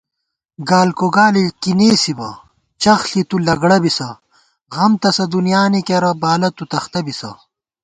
گالگوگالے کی نېسِبہ چخ ݪی تُو لگڑہ بِسہ * غم تسہ دُنیانی کېرہ بالہ تُو تختہ بِسہ